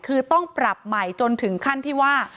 คือต้องปรับใหม่จนถึงขั้นที่ว่า